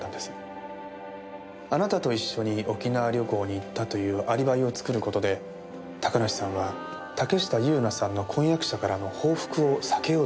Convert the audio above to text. あなたと一緒に沖縄旅行に行ったというアリバイを作る事で高梨さんは竹下友那さんの婚約者からの報復を避けようと思っていた。